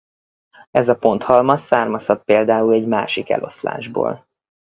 Ez a ponthalmaz származhat például egy másik eloszlásból.